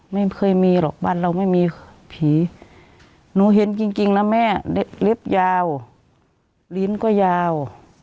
ไม่เคยมีหรอกบ้านเราไม่มีผีหนูเห็นจริงนะแม่เล็บยาวลิ้นก็ยาว